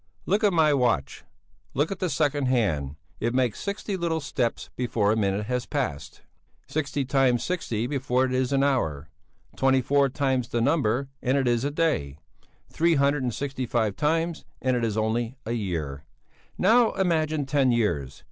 Look at my watch! Look at the second hand; it makes sixty little steps before a minute has passed; sixty times sixty before it is an hour; twenty four times the number and it is a day; three hundred and sixty five times and it is only a year. Now imagine ten years!